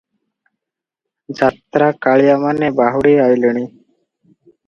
ଯାତ୍ରାକାଳିଆମାନେ ବାହୁଡ଼ି ଅଇଲେଣି ।